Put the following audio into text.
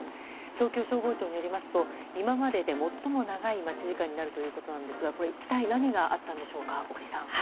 東京消防庁によりますと今までで最も長い待ち時間になるということですが一体何があったのでしょうか。